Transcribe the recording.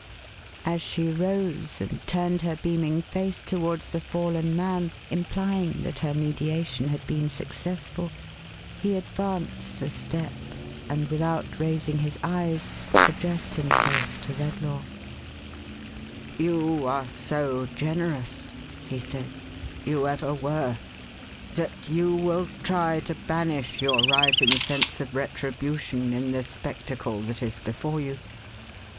As she rose, and turned her beaming face towards the fallen man, implying that her mediation had been sum t'ul, he advanced a step, and without raising his eyes, addiv^rd himself to Redlaw. "You are so generous," he said, "— you ever were— that you will try to banish your rising sense of retribution in the spectacle that is before you.